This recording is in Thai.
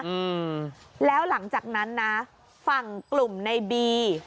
อืมแล้วหลังจากนั้นนะฝั่งกลุ่มในบี